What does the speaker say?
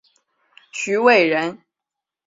徐渭人。